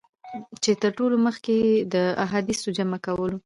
چي تر ټولو مخکي یې د احادیثو جمع کولو.